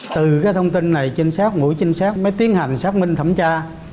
từ cái thông tin này chính xác mũi chính xác mới tiến hành xác minh thẩm tra